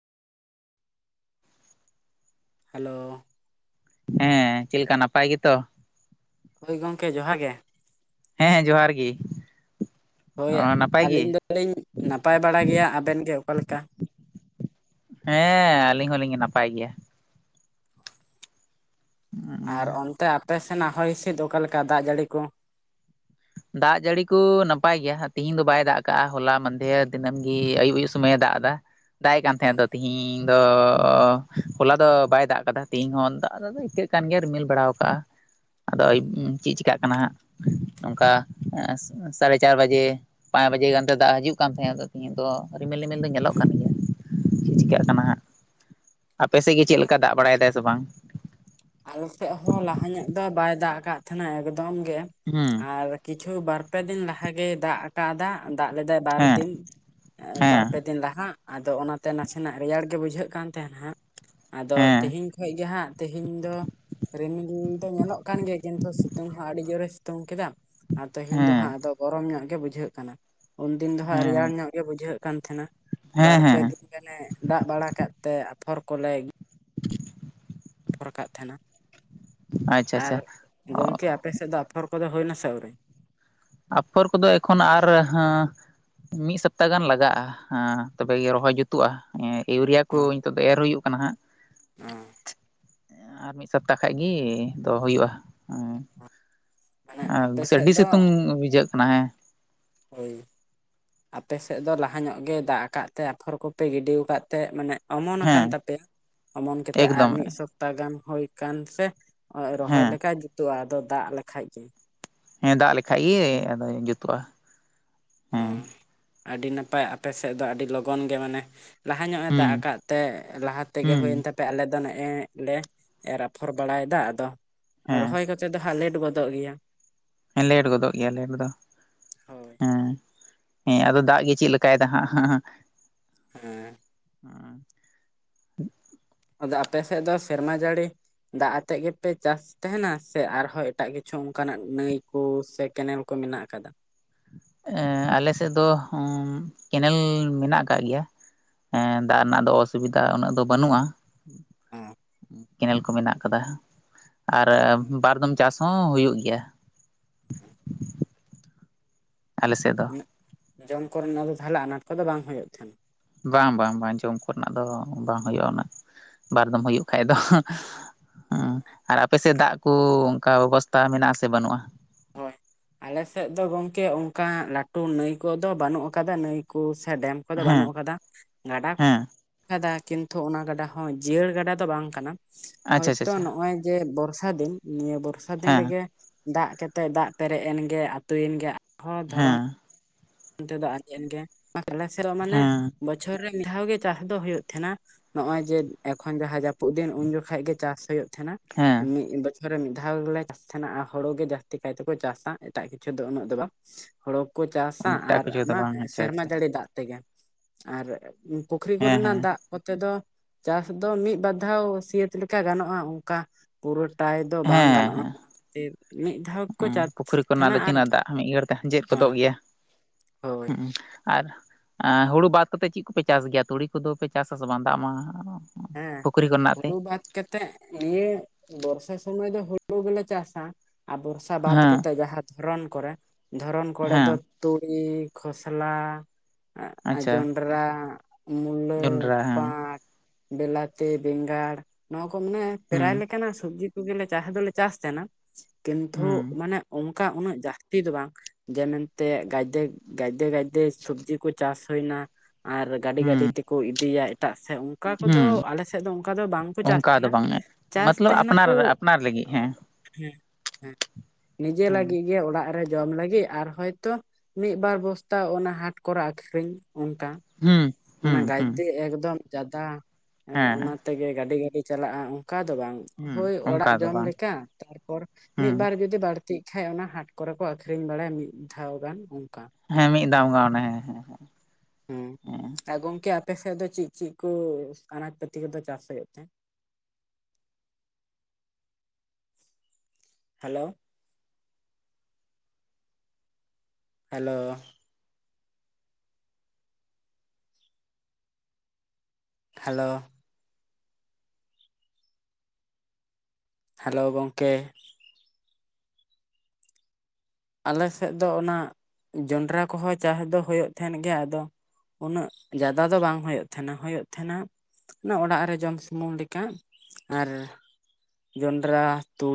Hello ᱦᱮᱸ ᱪᱮᱫ ᱞᱮᱠᱟ ᱱᱟᱯᱟᱭ ᱜᱮᱛᱚ? ᱦᱳᱭ ᱜᱚᱝᱠᱮ ᱡᱚᱦᱟ ᱜᱮ ᱦᱮᱸ ᱡᱚᱦᱟᱨ ᱜᱤ ᱦᱳᱭ ᱟᱹᱞᱤᱧ ᱫᱚ ᱞᱤᱧ ᱱᱟᱯᱟᱭ ᱵᱟᱲᱟ ᱜᱮᱭᱟ ᱟᱵᱮᱱ ᱜᱮ ᱚᱠᱟ ᱞᱮᱠᱟ? ᱦᱮᱸ ᱟᱹᱞᱤᱧ ᱦᱚᱸ ᱞᱤᱧ ᱱᱟᱯᱟᱭ ᱜᱮᱭᱟ᱾ ᱟᱨ ᱚᱱᱛᱮ ᱟᱯᱮ ᱥᱮᱱᱟᱜ ᱦᱚᱭ ᱦᱤᱥᱤᱫ ᱚᱠᱟ ᱞᱮᱠᱟ ᱫᱟᱜ ᱡᱟᱹᱲᱤ ᱠᱚ? ᱫᱟᱜ ᱡᱟᱹᱲᱤ ᱠᱩ ᱱᱟᱯᱟᱭ ᱜᱮᱭᱟ ᱦᱟᱸᱜ ᱛᱤᱦᱤᱧ ᱫᱚ ᱵᱟᱭ ᱫᱟᱜ ᱠᱟᱜ-ᱟ ᱦᱚᱞᱟ ᱢᱟᱸᱫᱷᱮᱨ ᱫᱤᱱᱟᱹᱢ ᱜᱤ ᱟᱹᱭᱩᱵ ᱟᱹᱭᱩᱵ ᱥᱳᱢᱳᱭ ᱮ ᱫᱟᱜ ᱫᱟ ᱫᱟᱜ ᱮᱜ ᱠᱟᱱ ᱛᱟᱦᱮᱸᱜ ᱟᱛᱚ ᱛᱤᱦᱤᱧ ᱫᱚ ᱦᱚᱞᱟ ᱫᱚ ᱵᱟᱭ ᱫᱟᱜ ᱠᱟᱫᱟ ᱛᱮᱦᱤᱧ ᱦᱚᱸ ᱫᱟᱜ ᱫᱟᱜ ᱫᱚ ᱟ. ᱭᱠᱟᱹᱜ ᱠᱟᱱ ᱜᱮᱭᱟ ᱨᱤᱢᱤᱞ ᱵᱟᱲᱟᱣ ᱠᱟᱜ-ᱟ᱾ ᱟᱫᱚ ᱟᱹᱭᱩᱵ ᱪᱮᱫ ᱪᱤᱠᱟᱜ ᱠᱟᱱᱟ ᱦᱟᱸᱜ ᱱᱚᱝᱠᱟ ᱥᱟᱲᱮ ᱪᱟᱨ ᱵᱟᱡᱮ ᱯᱟᱸᱪ ᱵᱟᱡᱮ ᱜᱟᱱ ᱛᱮ ᱫᱟᱜ ᱦᱤᱡᱩᱜ ᱠᱟᱱ ᱛᱟᱦᱮᱸᱫ ᱟ ᱛᱮᱦᱤᱧ ᱫᱚ ᱨᱤᱢᱤᱞ ᱨᱤᱢᱤᱞ ᱫᱚ ᱧᱮᱞᱚᱜ ᱠᱟᱱ ᱜᱮᱭᱟ᱾ ᱪᱤᱫ ᱪᱤᱠᱟ. ᱜ ᱠᱟᱱᱟ ᱦᱟᱸᱜ ᱟᱯᱮ ᱥᱮᱜ ᱜᱮ ᱪᱮᱫ ᱞᱮᱠᱟ ᱫᱟᱜ ᱵᱟᱲᱟᱭ ᱫᱟᱭ ᱥᱮ ᱵᱟᱝ? ᱟᱞᱮ ᱥᱮᱫ ᱦᱚᱸ ᱞᱟᱦᱟ ᱧᱚᱜ ᱫᱚ ᱵᱟᱭ ᱫᱟᱜ ᱟᱠᱟᱫ ᱛᱟᱦᱮᱱᱟ ᱮᱠᱫᱚᱢ ᱜᱮ ᱦᱩᱸ ᱟᱨ ᱠᱤᱪᱷᱩ ᱵᱟᱨ ᱯᱮ ᱫᱤᱱ ᱞᱟᱦᱟ ᱜᱮᱭ ᱫᱟᱜ ᱟᱠᱟᱫᱟ ᱫᱟᱜ ᱞᱮᱫᱟᱭ ᱵᱟᱨ ᱦᱮᱸ ᱫᱤᱱ ᱵᱟᱨ ᱦᱮᱸ ᱯᱮ ᱫᱤᱱ ᱞᱟᱦᱟᱜ ᱟᱫᱚ ᱚᱱᱟ ᱛᱮ ᱱᱟᱥᱮᱱᱟᱜ ᱨᱮᱭᱟᱲ ᱜᱮ ᱵᱩᱡᱷᱟᱹᱜ ᱠᱟᱱ ᱛᱟᱦᱮᱱᱟ ᱦᱟᱸᱜ ᱟᱫᱚ ᱦᱮᱸ ᱛᱤᱦᱤᱧ ᱠᱷᱚᱡ ᱜᱮ ᱦᱟᱸᱜ ᱛᱮ ᱛᱤᱦᱤᱧ ᱫᱚ ᱨᱤᱢᱤᱞ ᱫᱚ ᱧᱮᱞᱚᱜ ᱠᱟᱱ ᱜᱮᱭᱟ ᱠᱤᱱᱛᱩ ᱥᱤᱛᱩᱝ ᱦᱚᱸ ᱟᱹᱰᱤ ᱡᱳᱨᱮ ᱥᱤᱛᱩᱝ ᱠᱮᱫᱟ ᱟᱨ ᱛᱮᱦᱮᱧ ᱫᱚ ᱦᱮᱸ ᱦᱟᱸᱜ ᱟᱫᱚ ᱜᱚᱨᱚᱢ ᱧᱚᱜ ᱜᱮ ᱵᱩᱡᱷᱟᱹᱜ ᱠᱟᱱᱟ ᱩᱱᱫᱤᱱ ᱫᱚ ᱦᱟᱸᱜ ᱦᱮᱸ ᱨᱮᱭᱟᱲ ᱧᱚᱜ ᱜᱮ ᱵᱩᱡᱷᱟᱹᱜ ᱠᱟᱱ ᱛᱟᱦᱮᱸᱱᱟ᱾ ᱦᱮᱸ ᱵᱟᱨ ᱯᱮ ᱦᱮᱸ ᱫᱤᱱ ᱜᱟᱱᱮ ᱫᱟᱜ ᱵᱟᱲᱟ ᱠᱟᱜ ᱛᱮ ᱟᱯᱷᱚᱨ ᱠᱚᱞᱮ ᱟᱯᱷᱚᱨ ᱠᱟᱫ ᱛᱟᱦᱮᱱᱟ ᱟᱪᱪᱷᱟ ᱟᱨ ᱟᱪᱪᱷᱟ ᱚ ᱜᱚᱝᱠᱮ ᱟᱯᱮ ᱥᱮᱫ ᱫᱚ ᱟᱯᱷᱚᱨ ᱠᱚᱫᱚ ᱦᱩᱭᱱᱟ ᱥᱮ ᱟᱹᱣᱨᱤ? ᱟᱯᱷᱚᱨ ᱠᱚᱫᱚ ᱮᱠᱷᱚᱱ ᱟᱨ ᱦᱟᱸ ᱢᱤᱫ ᱥᱚᱯᱛᱟ ᱜᱟᱱ ᱞᱟᱜᱟᱜ-ᱟ᱾ ᱦᱟᱸ ᱛᱚᱵᱮ ᱜᱮ ᱨᱚᱦᱚᱭ ᱡᱩᱛᱩᱜ-ᱟ ᱮᱸᱜ ᱤᱭᱩᱨᱤᱭᱟ ᱠᱚ ᱱᱤᱛᱚᱜ ᱫᱚ ᱮᱨ ᱦᱩᱭᱩᱜ ᱠᱟᱱᱟ ᱦᱟᱸᱜ ᱚ ᱟᱨ ᱢᱤᱫ ᱥᱚᱯᱛᱟ ᱠᱷᱟᱡ ᱜᱮ ᱫᱚ ᱦᱩᱭᱩᱜ-ᱟ ᱢᱟᱱᱮ ᱮᱸ ᱟᱯᱮ ᱥᱮᱫ ᱟᱹᱰᱤ ᱫᱚ ᱥᱤᱛᱩᱝ ᱵᱩᱡᱷᱟᱹᱜ ᱠᱟᱱᱟ ᱦᱮᱸ ᱦᱳᱭ ᱟᱯᱮ ᱥᱮᱫ ᱫᱚ ᱞᱟᱦᱟ ᱧᱚᱜ ᱜᱮ ᱫᱟᱜ ᱟᱠᱟᱫ ᱛᱮ ᱟᱯᱷᱚᱨ ᱠᱚᱯᱮ ᱜᱤᱰᱤᱣ ᱟᱠᱟᱫ ᱛᱮ ᱢᱟᱱᱮ ᱚᱢᱚᱱ ᱟᱠᱟᱱ ᱦᱮᱸ ᱛᱟᱯᱮᱭᱟ ᱚᱢᱚᱱ ᱠᱟᱛᱮᱜ ᱟᱨ ᱮᱠᱫᱚᱢ ᱢᱤᱫ ᱥᱚᱯᱛᱟ ᱜᱟᱱ ᱦᱩᱭ ᱠᱟᱱ ᱥᱮ ᱦᱚᱜ ᱨᱚᱦᱚᱭ ᱦᱮᱸ ᱞᱮᱠᱟᱭ ᱡᱩᱛᱩᱜ-ᱟ ᱟᱫᱚ ᱫᱟᱜ ᱞᱮᱠᱷᱟᱡ ᱜᱮ ᱦᱮᱸ ᱫᱟᱜ ᱞᱮᱠᱷᱟᱡ ᱜᱮ ᱟᱫᱚ ᱡᱩᱛᱩᱜ-ᱟ ᱦᱮᱸ ᱟᱰᱤ ᱱᱟᱯᱟᱭ ᱟᱯᱮ ᱥᱮᱫ ᱫᱚ ᱟᱹᱰᱤ ᱞᱚᱜᱚᱱ ᱜᱮ ᱢᱟᱱᱮ-ᱸ ᱞᱟᱦᱟ ᱧᱚᱜ ᱮ ᱫᱟᱜ ᱦᱩᱸ ᱟᱠᱟᱫ ᱛᱮ ᱞᱟᱦᱟ ᱛᱮᱜᱮ ᱦᱩᱸ ᱦᱩᱭᱮᱱ ᱛᱟᱯ ᱯᱮ ᱟᱞᱮ ᱫᱚ ᱱᱮᱜ-ᱮ ᱞᱮ ᱮᱨ ᱟᱯᱷᱚᱨ ᱵᱟᱲᱟᱭᱫᱟ ᱟᱫᱚ ᱦᱮᱸ ᱨᱚᱦᱚᱭ ᱠᱟᱛᱮᱫ ᱫᱚ ᱦᱟᱸᱜ ᱞᱮᱴ ᱜᱚᱫᱚᱜ ᱜᱮᱭᱟ᱾ ᱦᱮᱸ ᱞᱮᱴ ᱜᱚᱫᱚᱜ ᱜᱮᱭᱟ ᱞᱮᱴ ᱫᱚ ᱦᱳᱭ ᱦᱮᱸ ᱦᱮᱸ ᱟᱫᱚ ᱫᱟᱜ ᱜᱮ ᱪᱮᱫ ᱞᱮᱠᱟᱭ ᱫᱟ ᱦᱟᱸᱜ ᱦᱟᱸᱜ᱾ ᱦᱮᱸ ᱚᱸ ᱟᱫᱚ ᱟᱯᱮ ᱥᱮᱫ ᱫᱚ ᱥᱮᱨᱢᱟ ᱡᱟᱹᱲᱤ, ᱫᱟᱜ ᱟᱛᱮᱫ ᱜᱮᱯᱮ ᱪᱟᱥ ᱼᱼ ᱛᱮᱦᱮᱱᱟ ᱥᱮ ᱟᱨᱦᱚᱸ ᱮᱴᱟᱜ ᱠᱤᱪᱷᱩ ᱚᱱᱠᱟᱱᱟᱜ ᱱᱟᱹᱭ ᱠᱚ ᱥᱮ ᱠᱮᱱᱮᱞ ᱠᱚ ᱢᱮᱱᱟᱜ ᱟᱠᱟᱫᱟ? ᱮᱸ ᱟᱞᱮ ᱥᱮᱫ ᱫᱚ ᱩᱸ ᱠᱮᱱᱮᱞ ᱢᱮᱱᱟᱜ ᱟᱠᱟᱜ ᱜᱮᱭᱟ। ᱦᱮᱸ ᱫᱟᱜᱽ ᱨᱮᱱᱟᱜ ᱫᱚ ᱚᱥᱩᱵᱤᱫᱷᱟ ᱩᱱᱟᱹᱜ ᱫᱚ ᱵᱟᱹᱱᱩᱜᱼᱟ। ᱦᱚᱸᱻ ᱠᱮᱱᱮᱞ ᱠᱚ ᱢᱮᱱᱟᱜ ᱟᱠᱟᱫᱟ, ᱟᱨ ᱵᱟᱨᱫᱚᱢ ᱪᱟᱥ ᱦᱚᱸ ᱦᱩᱭᱩᱜ ᱜᱮᱭᱟ᱾ ᱟᱞᱮᱥᱮᱜ ᱫᱚ᱾ ᱩᱱᱟᱹᱜ ᱡᱚᱢ ᱠᱚᱨᱮᱱᱟᱜ ᱫᱚ ᱛᱟᱦᱟᱞᱮ ᱟᱱᱟᱴ ᱠᱚᱫᱚ ᱵᱟᱝ ᱦᱩᱭᱩᱜ ᱛᱟᱦᱮᱸᱱᱟ? ᱵᱟᱝ ᱵᱟᱝ ᱵᱟᱝ ᱡᱚᱢ ᱠᱚᱨᱮᱱᱟᱜ ᱫᱚ ᱵᱟᱝ ᱦᱩᱭᱩᱜᱼᱟ ᱩᱱᱟᱹᱜ, ᱵᱟᱨ ᱫᱚᱢ ᱦᱩᱭᱩᱜ ᱠᱷᱟᱡ ᱫᱚ, ᱦᱩᱸ ᱟᱨ ᱟᱯᱮᱥᱮᱜ ᱫᱟᱜᱽ ᱠᱚ ᱚᱱᱠᱟ ᱵᱮᱵᱚᱥᱛᱟ ᱢᱮᱱᱟᱜ ᱟᱥᱮ ᱵᱟᱹᱱᱩᱜᱼᱟ? ᱦᱳᱭ, ᱟᱞᱮᱥᱮᱜ ᱫᱚ ᱜᱚᱝᱠᱮ ᱚᱱᱠᱟ ᱞᱟᱹᱴᱩ ᱱᱟᱹᱭ ᱠᱚᱫᱚ ᱵᱟᱹᱱᱩᱜ ᱟᱠᱟᱫᱟ᱾ ᱱᱟᱹᱭ ᱠᱚ ᱥᱮ ᱰᱮᱢ ᱠᱚ ᱫᱚ ᱦᱮᱸ ᱵᱟᱹᱱᱩᱜ ᱟᱠᱟᱫᱟ, ᱜᱟᱰᱟ ᱦᱮᱸ [inaudible] ᱠᱟᱫᱟ ᱠᱤᱱᱛᱩ ᱚᱱᱟ ᱜᱟᱰᱟ ᱦᱚᱸ ᱡᱤᱭᱟᱹᱲ ᱜᱟᱰᱟ ᱫᱚ ᱵᱟᱝ ᱠᱟᱱᱟ᱾ ᱟᱪᱪᱷᱟ ᱟᱪᱪᱷᱟ ᱦᱳᱭᱛᱳ ᱟᱪᱪᱷᱟ ᱱᱚᱜᱼᱚᱭ ᱡᱮ ᱵᱚᱨᱥᱟ ᱫᱤᱱ ᱱᱤᱭᱟᱹ ᱵᱚᱨᱥᱟ ᱫᱤᱱ ᱦᱮᱸ ᱨᱮᱜᱮ ᱫᱟᱜᱽ ᱠᱮᱫ ᱛᱮ ᱫᱟᱜᱽ ᱯᱮᱨᱮᱜ ᱮᱱ ᱜᱮᱭᱟ ᱟᱛᱩᱭᱮᱱ ᱜᱮᱭᱟ ᱟᱨᱦᱚᱸ ᱫᱷᱚᱨᱚᱱ ᱦᱮᱸ ᱚᱱᱛᱮ ᱫᱚ ᱟᱸᱡᱮᱱ ᱜᱮᱭᱟ, ᱟᱞᱮ ᱥᱮᱨᱚᱜ ᱢᱟᱱᱮ ᱦᱮᱸ ᱵᱚᱪᱷᱚᱨ ᱨᱮ ᱢᱤᱫ ᱫᱷᱟᱣ ᱜᱮ ᱪᱟᱥ ᱫᱚ ᱦᱩᱭᱩᱜ ᱛᱟᱦᱮᱸᱱᱟ᱾ ᱱᱚᱜᱼᱚᱭ ᱡᱮ ᱮᱠᱷᱚᱱ ᱡᱟᱦᱟᱸ ᱡᱟᱹᱯᱩᱫ ᱫᱤᱱ ᱩᱱ ᱡᱚᱠᱷᱟᱜ ᱜᱮ ᱪᱟᱥ ᱦᱩᱭᱩᱜ ᱛᱟᱦᱮᱸᱱᱟ᱾ ᱦᱮᱸ, ᱢᱤᱫ ᱵᱚᱪᱷᱚᱨ ᱨᱮ ᱢᱤᱫ ᱫᱷᱟᱣ ᱜᱮᱞᱮ ᱪᱟᱥ ᱛᱟᱦᱮᱱᱟ᱾ᱟᱸ ᱦᱩᱲᱩ ᱜᱮ ᱡᱟᱹᱥᱛᱤ ᱠᱟᱭᱛᱮᱠᱚ ᱪᱟᱥᱟ ᱮᱴᱟᱜ ᱠᱤᱪᱷᱩ ᱫᱚ ᱩᱱᱟᱹᱜ ᱫᱚ ᱵᱟᱝ᱾ ᱦᱳᱲᱳ ᱠᱚ ᱪᱟᱥᱟ ᱮᱴᱟᱜ ᱟᱨ ᱠᱤᱪᱷᱩ ᱫᱚ ᱚᱱᱟ ᱵᱟᱝ ᱟᱪᱪᱷᱟ ᱥᱮᱨᱢᱟ ᱟᱪᱪᱷᱟ ᱡᱟᱹᱲᱤ ᱫᱟᱜᱽ ᱛᱮᱜᱮ᱾ ᱟᱨ ᱯᱩᱠᱷᱨᱤ ᱦᱮᱸ ᱠᱚᱨᱮᱱᱟᱜ ᱦᱮᱸ ᱫᱟᱜᱽ, ᱠᱚᱛᱮ ᱫᱚ ᱪᱟᱥ ᱫᱚ ᱢᱤᱫ ᱵᱟᱨ ᱫᱷᱟᱣ ᱥᱤᱭᱟᱹᱛ ᱞᱮᱠᱟ ᱜᱟᱱᱚᱜᱼᱟ ᱚᱱᱠᱟ, ᱯᱩᱨᱟᱹ ᱴᱟᱭ ᱫᱚ ᱵᱟᱝ ᱦᱮᱸ ᱜᱟᱱᱚᱜᱼᱟ ᱦᱮᱸ ᱚᱱᱟ ᱠᱷᱟᱹᱛᱤᱨ ᱢᱤᱫ ᱫᱷᱟᱣ ᱜᱮᱠᱚ ᱪᱟᱥ ᱛᱟᱦᱮᱱᱟ᱾ᱟᱨ ᱢᱤᱫᱜᱷᱟᱹᱲᱤ ᱛᱮ ᱦᱟᱸᱡᱮᱫ ᱠᱚᱫᱚᱜ ᱜᱮᱭᱟ ᱦᱳᱭ ᱦᱩᱸᱜ ᱩᱸ᱾ ᱟᱨ ᱟᱸ ᱦᱩᱲᱩ ᱵᱟᱫ ᱠᱟᱛᱮᱫ ᱪᱮᱫ ᱠᱚᱯᱮ ᱪᱟᱥ ᱜᱮᱭᱟ ᱛᱩᱲᱤ ᱠᱚᱫᱚᱯᱮ ᱪᱟᱥᱟᱥᱮ ᱵᱟᱝ? ᱫᱟᱜᱽ ᱢᱟ, ᱦᱮᱸ, ᱯᱩᱠᱷᱨᱤ ᱠᱚᱨᱮᱱᱟᱜ ᱛᱮ ᱦᱩᱲᱩ ᱵᱟᱫᱽ ᱠᱟᱛᱮᱫ ᱤᱭᱟᱹ ᱵᱚᱨᱥᱟ ᱥᱩᱚᱢᱚᱭ ᱫᱚ ᱦᱩᱲᱩ ᱜᱮᱞᱮ ᱪᱟᱥᱟ᱾ [unintelligible] ᱵᱚᱨᱥ ᱟ ᱵᱟᱫ ᱦᱮᱸ ᱠᱟᱛᱮᱫ ᱡᱟᱦᱟᱸ ᱫᱷᱚᱨᱚᱱ ᱠᱚᱨᱮ ᱫᱷᱚᱨᱚᱱ ᱠᱚᱨᱮ ᱦᱮᱸ ᱫᱚ, ᱛᱩᱲᱤ, ᱠᱷᱚᱥᱞᱟ, ᱟᱸ ᱟᱪᱪᱷᱟ ᱡᱚᱱᱰᱨᱟ, ᱡᱚᱱᱰᱨᱟ ᱦᱮᱸ᱾ ᱵᱮᱞᱟᱛᱤ, ᱵᱮᱸᱜᱟᱲ, ᱱᱚᱣᱟ ᱠᱚ ᱢᱟᱱᱮ ᱦᱩᱸ ᱯᱮᱨᱟᱭ ᱞᱮᱠᱟᱱᱟᱜ ᱥᱚᱵᱽᱡᱤ, ᱠᱚ ᱜᱮᱞᱮ ᱪᱟᱥ ᱫᱚᱞᱮ ᱪᱟᱥ ᱛᱟᱦᱮᱸᱱᱟ, ᱠᱤᱱᱛᱩ ᱦᱩᱸ ᱢᱟᱱᱮ ᱚᱱᱠᱟ ᱩᱱᱟᱹᱜ ᱡᱟᱹᱥᱛᱤ ᱫᱚ ᱵᱟᱝ᱾ ᱡᱮ ᱢᱮᱱᱛᱮ ᱜᱟᱡᱫᱮ ᱜᱟᱡᱫᱮ ᱜᱟᱡᱫᱮ ᱥᱚᱵᱽᱡᱤ ᱠᱚ ᱪᱟᱥ ᱦᱩᱭᱱᱟ᱾ᱟᱨ ᱜᱟᱹᱰᱤ ᱦᱩᱸ ᱜᱟᱹᱰᱤ ᱛᱮᱠᱚ ᱤᱫᱤᱭᱟ ᱮᱴᱟᱜ ᱥᱮᱜ ᱩᱸ᱾ ᱦᱩᱸ ᱠᱩᱫᱚ ᱟᱞᱮ ᱥᱮᱫ ᱫᱚ ᱚᱱᱠᱟ ᱫᱚ ᱵᱟᱝᱠᱚ ᱪᱟᱥ ᱚᱱᱠᱟ ᱫᱚ ᱵᱟᱝ ᱛᱟᱦᱮᱱᱟ᱾ᱪᱟᱥ ᱢᱚᱛᱞᱚᱵ ᱛᱟᱦᱮᱱᱟ ᱟᱯᱱᱟᱨ ᱠᱚ ᱟᱯᱱᱟᱨ ᱞᱟᱹᱜᱤᱫ ᱦᱮᱸ ᱦᱮᱸ ᱦᱮᱸ ᱱᱤᱡᱮ ᱦᱩᱸ ᱞᱟᱹᱜᱤᱜ ᱜᱮ ᱚᱲᱟᱜ ᱨᱮ ᱡᱚᱢ ᱞᱟᱹᱜᱤᱜ᱾ ᱟᱨ ᱦᱚᱭᱛᱚ ᱢᱤᱫ ᱵᱟᱨ ᱵᱚᱥᱛᱟ ᱚᱱᱟ ᱦᱟᱴ ᱠᱚᱨᱮ ᱟᱠᱷᱨᱤᱧ ᱚᱱᱠᱟ᱾ ᱦᱩᱸ, ᱢᱟᱱᱮ ᱦᱩᱸ ᱦᱩᱸ ᱜᱟᱡᱫᱮ ᱮᱠᱫᱚᱢ ᱡᱟᱫᱟ ᱦᱮᱸ ᱚᱱᱟ ᱛᱮᱜᱮ ᱜᱟᱹᱰᱤ ᱜᱟᱹᱰᱤ ᱪᱟᱞᱟᱜᱼᱟ ᱚᱱᱠᱟ ᱫᱚ ᱵᱟᱝ᱾ ᱦᱩᱸ ᱦᱳᱭ ᱚᱲᱟᱜ ᱚᱱᱠᱟ ᱫᱚ ᱡᱚᱢ ᱵᱟᱝ ᱞᱮᱠᱟ, ᱛᱟᱨᱯᱚᱨ ᱦᱩᱸ ᱢᱤᱫᱵᱟᱨ ᱡᱩᱫᱤ ᱵᱟᱹᱲ ᱛᱤᱜ ᱠᱷᱟᱡ ᱚᱱᱟ ᱦᱟᱴ ᱠᱚᱨᱮ ᱠᱚ ᱟᱹᱷᱨᱤᱧ ᱵᱟᱲᱟᱭᱟ ᱢᱤᱫ ᱫᱷᱟᱣ ᱜᱟᱱ ᱚᱱᱠᱟ᱾ ᱦᱮᱸ ᱢᱤᱫ ᱫᱟᱢᱜᱟᱱ ᱚᱱᱮ ᱦᱮᱸ ᱦᱮᱸ ᱦᱮᱸ᱾ ᱦᱮᱸ, ᱜᱚᱝᱠᱮ ᱟᱯᱮᱥᱮᱫ ᱫᱚ ᱪᱮᱜ ᱪᱮᱜ ᱠᱚ ᱟᱱᱟᱡ ᱯᱟᱹᱛᱤ ᱠᱚᱫᱚ ᱪᱟᱥ ᱦᱩᱭᱩᱜ ᱛᱮ? Hello, hello hello. ᱦᱮᱞᱳ ᱜᱚᱢᱠᱮ। ᱟᱞᱮ ᱥᱮᱫ ᱫᱚ ᱚᱱᱟ ᱡᱚᱱᱰᱨᱟ ᱠᱚᱦᱚᱸ ᱪᱟᱥ ᱫᱚ ᱦᱩᱭᱩᱜ ᱛᱟᱦᱮᱸᱱ ᱜᱮᱭᱟ ᱟᱫᱚᱼᱼ ᱩᱱᱟᱹᱜ ᱡᱟᱫᱟ ᱫᱚ ᱵᱟᱝ ᱦᱳᱭᱳᱜ ᱛᱟᱦᱮᱱᱟ ᱦᱩᱭᱩᱜ ᱛᱟᱦᱮᱱᱟ᱾ ᱚᱱᱟ ᱚᱲᱟᱜ ᱨᱮ ᱡᱚᱢ ᱥᱩᱢᱩᱝ ᱞᱮᱠᱟ ᱟᱨ ᱡᱚᱱᱰᱨᱟ ᱛᱩᱲᱼᱼ